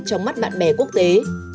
trong mắt bạn bè quốc tế